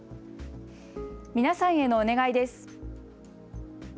皆さんへのお願いです。